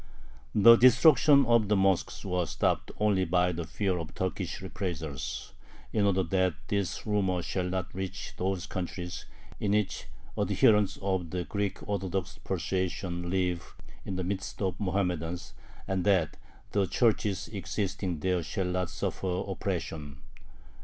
The destruction of the mosques was stopped only by the fear of Turkish reprisals, "in order that this rumor shall not reach those countries in which adherents of the Greek Orthodox persuasion live in the midst of Mohammedans, and that the churches existing there shall not suffer oppression."